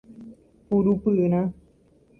Purupyrã